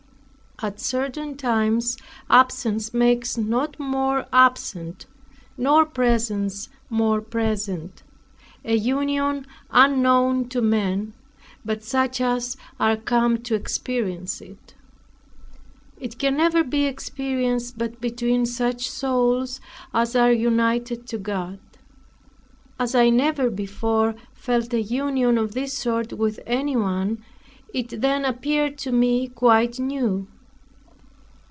At certain times absence makes not more absent, nor presence more present; a union unknown to men, but such as are come to experience it. It can never be experienced but between such souls as are united to God. As I never before felt a union of this sort with any one, it then appeared to me quite new.